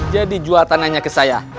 jadi jual tananya ke saya